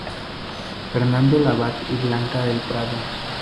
Fernando Labat y Blanca del Prado.